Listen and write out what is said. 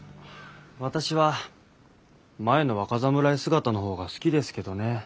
私は前の若侍姿のほうが好きですけどね。